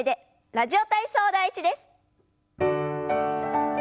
「ラジオ体操第１」です。